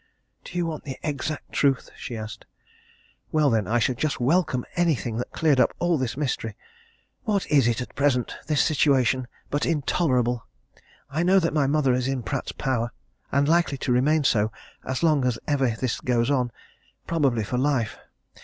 "Do you want the exact truth?" she asked. "Well, then, I should just welcome anything that cleared up all this mystery! What is it at present, this situation, but intolerable? I know that my mother is in Pratt's power, and likely to remain so as long as ever this goes on probably for life.